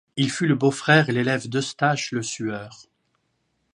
Il fut le beau-frère et l'élève d'Eustache Le Sueur.